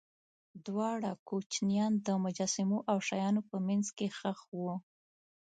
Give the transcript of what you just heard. دواړه کوچنیان د مجسمو او شیانو په منځ کې ښخ وو.